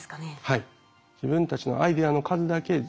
はい。